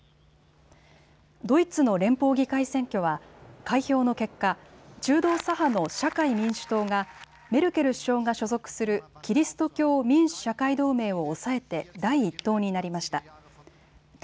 ドイツの連邦議会選挙は開票の結果、中道左派の社会民主党がメルケル首相が所属するキリスト教民主・社会同盟を抑えて第１党になりました。